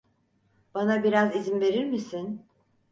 Bana biraz izin verir misin?